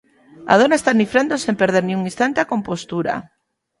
A dona está nifrando sen perder nin un instante a compostura.